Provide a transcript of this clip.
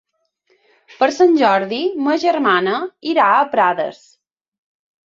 Per Sant Jordi ma germana irà a Prades.